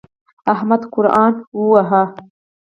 احمد قرآن وواهه.